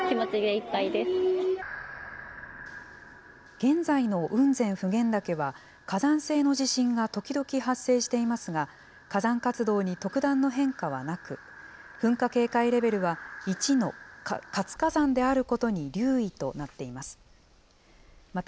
現在の雲仙・普賢岳は、火山性の地震が時々発生していますが、火山活動に特段の変化はなく、噴火警戒レベルは１の活火山であることに留意となっています。